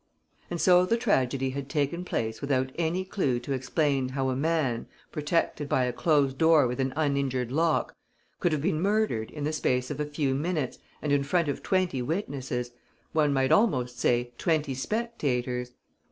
And so the tragedy had taken place without any clue to explain how a man, protected by a closed door with an uninjured lock, could have been murdered in the space of a few minutes and in front of twenty witnesses, one might almost say, twenty spectators.